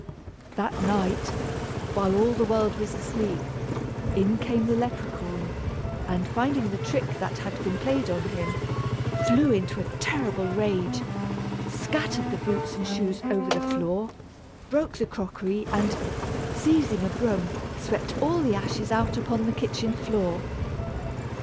That night, while all the world was asleep, in came the Leperhaun and, finding the trick that had been played on him, flew into a terrible rage, scattered the boots and shoes over the floor, broke the crockery and, seizing a broom, swept all the ashes out upon the kitchen floor.